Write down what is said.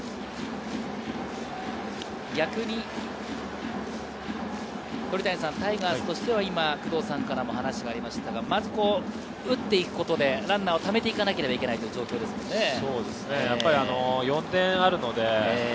逆にタイガースとしては今、話がありましたが、まず打っていくことでランナーをためていかなければいけないという状況ですよね。